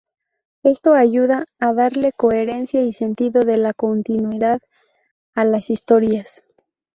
Esto ayuda a darle coherencia y sentido de la continuidad a las historias.